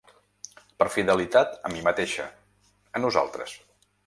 Per fidelitat a mi mateixa, a nosaltres.